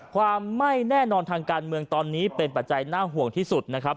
ความไม่แน่นอนทางการเมืองตอนนี้เป็นปัจจัยน่าห่วงที่สุดนะครับ